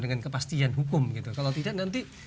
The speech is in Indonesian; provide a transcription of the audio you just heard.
dengan kepastian hukum gitu kalau tidak nanti